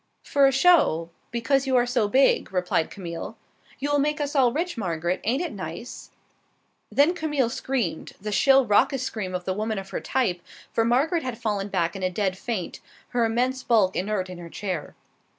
"For a show, because you are so big," replied Camille. "You will make us all rich, Margaret. Ain't it nice?" Then Camille screamed, the shrill raucous scream of the women of her type, for Margaret had fallen back in a dead faint, her immense bulk inert in her chair.